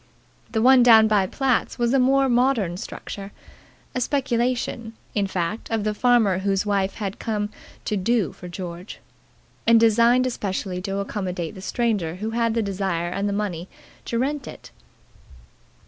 The one down by Platt's was a more modern structure a speculation, in fact, of the farmer whose wife came to "do" for George, and designed especially to accommodate the stranger who had the desire and the money to rent it.